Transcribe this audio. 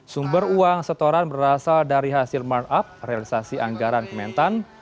sumber uang setoran berasal dari hasil markup realisasi anggaran kementan